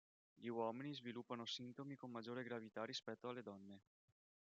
Gli uomini sviluppano sintomi con maggiore gravità rispetto alle donne.